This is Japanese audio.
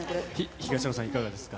東野さん、いかがですか。